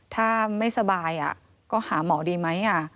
ถ้าไม่สบายก็หาหมอดีไหม